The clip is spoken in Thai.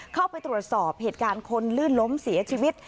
เข้าไปตรวจสอบเหตุการณ์คนลื่นล้มเสียชีวิต